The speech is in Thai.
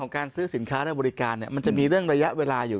การซื้อสินค้าและบริการมันจะมีเรื่องระยะเวลาอยู่